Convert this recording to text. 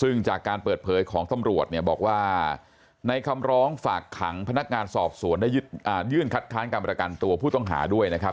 ซึ่งจากการเปิดเผยของตำรวจเนี่ยบอกว่าในคำร้องฝากขังพนักงานสอบสวนได้ยื่นคัดค้านการประกันตัวผู้ต้องหาด้วยนะครับ